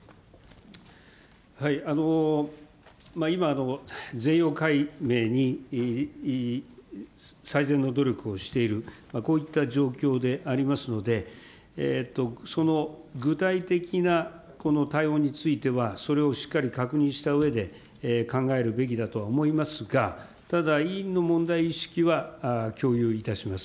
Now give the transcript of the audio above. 今、全容解明に最善の努力をしている、こういった状況でありますので、その具体的なこの対応については、それをしっかり確認したうえで考えるべきだとは思いますが、ただ、委員の問題意識は共有いたします。